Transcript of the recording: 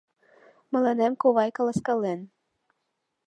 Мыланем ковай каласкален.